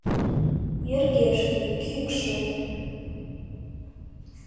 Йыргешке, кӱкшӧ.